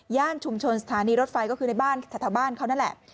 ชุมชนสถานีรถไฟก็คือในบ้านแถวบ้านเขานั่นแหละ